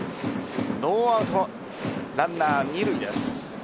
ノーアウトランナー二塁です。